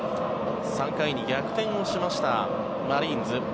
３回に逆転をしましたマリーンズ。